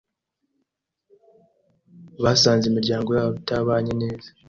Basanze imiryango yabo itabanye neza.